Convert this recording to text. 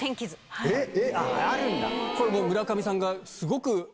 これ村上さんがすごく。